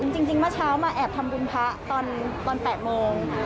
จริงเมื่อเช้ามาแอบทำบุญพระตอน๘โมง